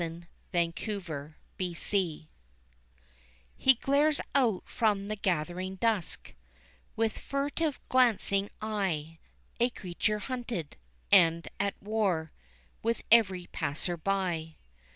] The Miscreant He glares out from the gathering dusk With furtive glancing eye, A creature hunted, and at war With every passer by.